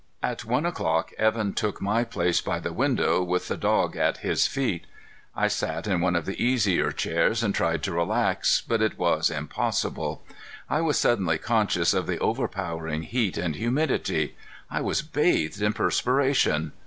At one o'clock Evan took my place by the window with the dog at his feet. I sat in one of the easier chairs and tried to relax, but it was impossible. I was suddenly conscious of the overpowering heat and humidity. I was bathed in perspiration.